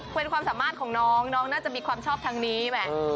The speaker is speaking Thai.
เป็นความสามารถของน้องน้องน่าจะมีความชอบทางนี้แหม